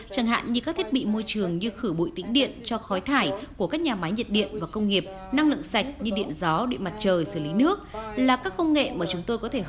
chẳng hạn như các thiết bị môi trường các công nghệ sạch sẽ là một thế mạnh của bỉ